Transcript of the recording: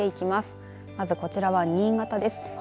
まずこちらは新潟です。